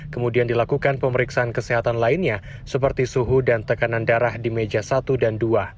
kemudian dilakukan pemeriksaan kesehatan lainnya seperti suhu dan tekanan darah di meja satu dan dua